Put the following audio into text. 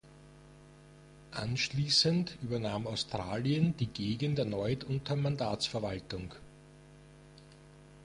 Anschließend übernahm Australien die Gegend erneut unter Mandatsverwaltung.